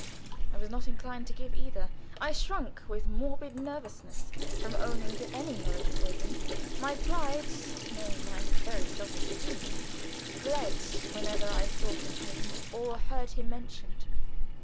I was not inclined to give either. I shrunk with morbid nervousness from owning to any knowledge of Eugen. My pride, nay, my very self esteem, bled whenever I thought of him or heard him mentioned.